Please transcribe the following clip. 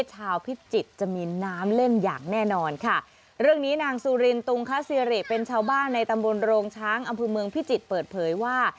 พิจิตรจะมีน้ำเล่นอย่างแน่นอนค่ะเรื่องนี้นางสุรินตุงคสิริเป็นชาวบ้านในตำบลโรงช้างอำเภอเมืองพิจิตรเปิดเผยว่า